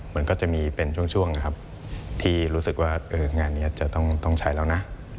มันก็จะมีเป็นช่วงนะครับที่รู้สึกว่างานนี้จะต้องใช้แล้วนะ